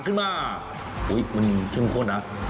ตักขึ้นมามันขึ้นโคตรนะ